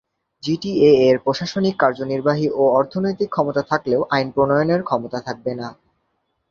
জিটিএ-এর প্রশাসনিক, কার্যনির্বাহী ও অর্থনৈতিক ক্ষমতা থাকলেও আইন প্রণয়নের ক্ষমতা থাকবে না।